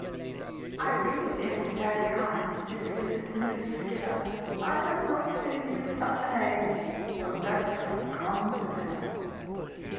"I really take it very kind, This visit, Mrs. Skinner! I have not seen you such an age (The wretch has come to dinner!)